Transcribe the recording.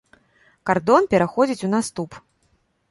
Кардон пераходзіць у наступ.